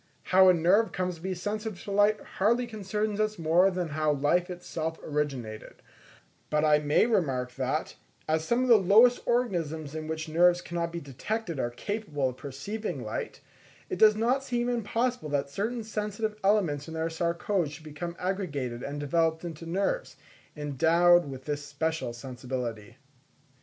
How a nerve comes to be sensitive to light, hardly concerns us more than how life itself originated; but I may remark that, as some of the lowest organisms in which nerves cannot be detected, are capable of perceiving light, it does not seem impossible that certain sensitive elements in their sarcode should become aggregated and developed into nerves, endowed with this special sensibility.